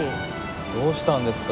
どうしたんですか？